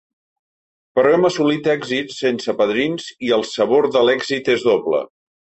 Però hem assolit èxits sense padrins i el sabor de l’èxit és doble.